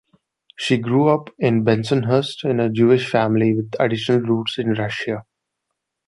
She grew up in Bensonhurst in a Jewish family with additional roots in Russia.